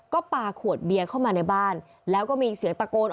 ก็ปลาขวดเบียร์เข้ามาในบ้านแล้วก็มีเสียงตะโกน